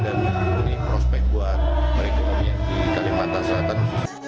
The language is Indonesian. dan ini prospek buat mereka yang di kalimantan selatan